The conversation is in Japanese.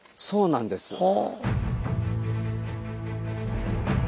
そうなんです。